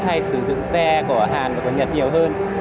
hay sử dụng xe của hàn nhật nhiều hơn